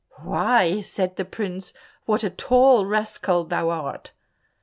"Why," said the prince, "what a tall rascal thou art!"